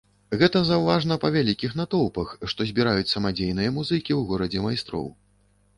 Гэта заўважна па вялікіх натоўпах, што збіраюць самадзейныя музыкі ў горадзе майстроў.